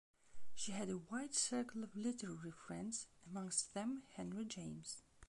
She had a wide circle of literary friends, amongst them Henry James.